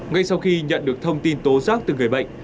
ngay sau khi nhận được thông tin tố giác từ người bệnh